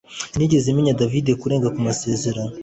Sinigeze menya David kurenga ku masezerano